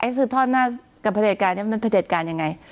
สืบทอดหน้ากับประเด็จการนี้มันประเด็จการยังไง